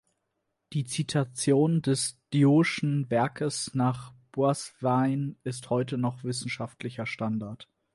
Die Zitation des Dio’schen Werkes nach Boissevain ist noch heute wissenschaftlicher Standard.